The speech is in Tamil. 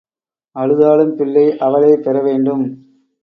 அழுதாலும் பிள்ளை அவளே பெற வேண்டும்.